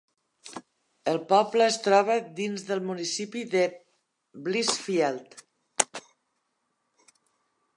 El poble es troba dins del municipi de Blissfield.